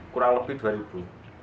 kurang lebih dua